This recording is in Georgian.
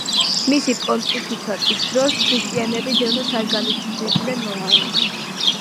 მისი პონტიფიკატის დროს ქრისტიანები დევნას არ განიცდიდნენ რომში.